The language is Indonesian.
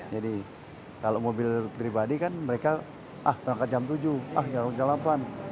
jadi kalau mobil pribadi kan mereka ah berangkat jam tujuh ah jarak jam delapan